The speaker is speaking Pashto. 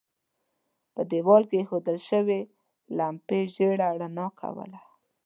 په دېوال کې اېښودل شوې لمپې ژېړه رڼا کوله.